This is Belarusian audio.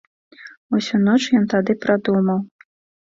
Усю ноч ён тады прадумаў.